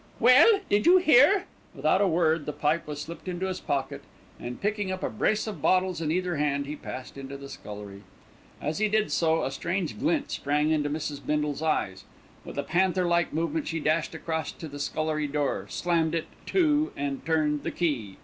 "Well! did you hear?" Without a word the pipe was slipped into his pocket, and picking up a brace of bottles in either hand he passed into the scullery. As he did so a strange glint sprang into Mrs. Bindle's eyes. With a panther like movement she dashed across to the scullery door, slammed it to and turned the key.